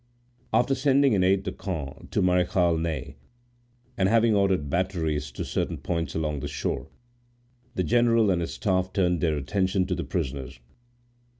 After sending an aide de camp to Marechal Ney, and having ordered batteries to certain points along the shore, the general and his staff turned their attention to the prisoners.